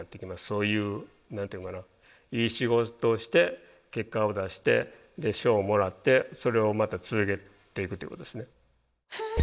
そういう何て言うんかないい仕事をして結果を出して賞をもらってそれをまた続けていくっていうことですね。